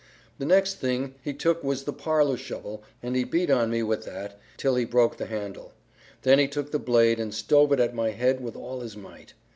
The next thing he took was the parlor shovel and he beat on me with that till he broke the handle; then he took the blade and stove it at my head with all his might.